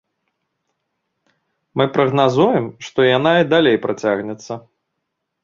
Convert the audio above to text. Мы прагназуем, што яна і далей працягнецца.